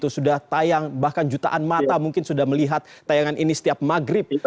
sudah tayang bahkan jutaan mata mungkin sudah melihat tayangan ini setiap maghrib